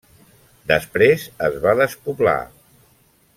Després es va despoblar.